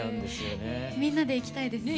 みんなで行きたいですね。ね！